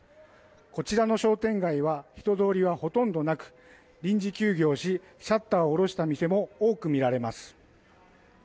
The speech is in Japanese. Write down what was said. こちらの商店街は、人通りはほとんどなく、臨時休業し、シャッターを下ろした店も多く見られます。